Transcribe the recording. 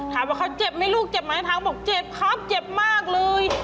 ถามว่าเขาเจ็บไหมลูกเจ็บไหมทางบอกเจ็บครับเจ็บมากเลย